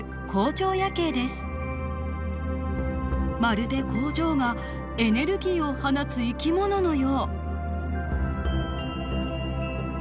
まるで工場がエネルギーを放つ生き物のよう。